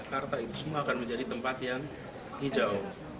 jakarta itu semua akan menjadi tempat yang hijau